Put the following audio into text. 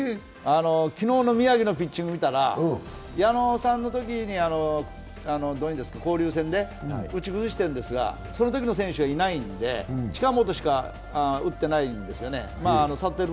昨日の宮城のピッチングを見たら矢野さんのときに交流戦で打ち崩しているんですがそのときの選手がいないんで近本しか打ってないんですよね。